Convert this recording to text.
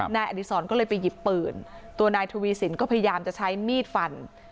นายอดีศรก็เลยไปหยิบปืนตัวนายทวีสินก็พยายามจะใช้มีดฟัน